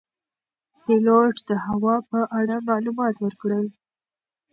پیلوټ د هوا په اړه معلومات ورکړل.